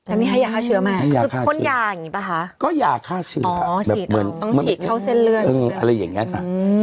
อันนี้ให้ยาฆ่าเชื้อไหมโค้นยาอะไรอย่างงี้ค่ะ